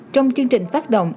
trong chương trình phát động